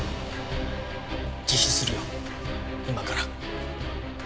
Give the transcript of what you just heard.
自首するよ今から。